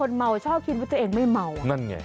เมาชอบคิดว่าตัวเองไม่เมานั่นไง